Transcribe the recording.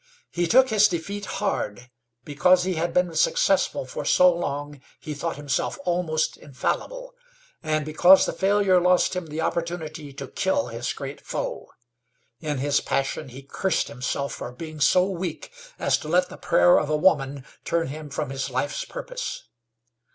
He took his defeat hard, because he had been successful for so long he thought himself almost infallible, and because the failure lost him the opportunity to kill his great foe. In his passion he cursed himself for being so weak as to let the prayer of a woman turn him from his life's purpose.